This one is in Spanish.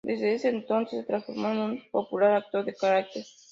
Desde ese entonces se transformó en un popular "actor de carácter".